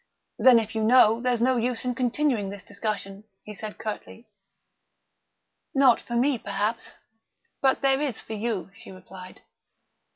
"Then if you know, there's no use in continuing this discussion," he said curtly. "Not for me, perhaps, but there is for you," she replied.